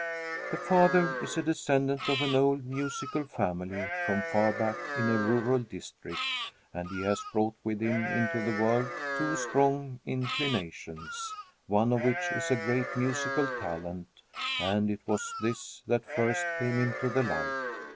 The father is a descendant of an old musical family from far back in a rural district, and he has brought with him into the world two strong inclinations, one of which is a great musical talent; and it was this that first came into the light.